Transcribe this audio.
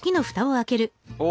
お！